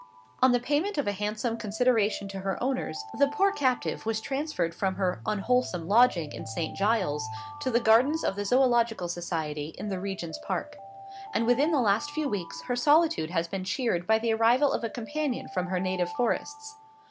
On the payment of a handsome consideration to her owners, the poor captive was transferred from her unwholesome lodging in St Giles's, to the Gardens of the Zoological Society in the Regent's Park. And within the last few weeks her solitude has been cheered by the arrival of a companion from her native forests.